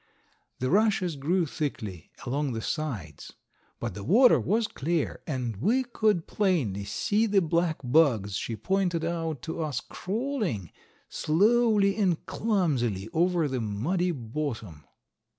The rushes grew thickly along the sides, but the water was clear, and we could plainly see the black bugs she pointed out to us crawling, slowly and clumsily, over the muddy bottom.